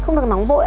không được nóng vội